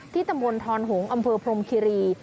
ที่ตมธรหงษ์อำเภอพรมคิรี